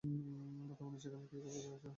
বর্তমানে সেখানে তিনি কর্মরত আছেন।